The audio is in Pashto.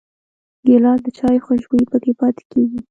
ګیلاس د چايو خوشبويي پکې پاتې کېږي.